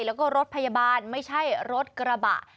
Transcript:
แล้วก็รถพยาบาลไม่ใช่รถกระบะ